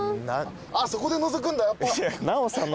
あっそこでのぞくんだやっぱ。